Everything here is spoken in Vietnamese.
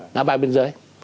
ngã ba biên giới